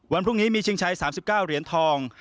วันพรุ่งนี้มีชิงชัย๓๙เหรียญทอง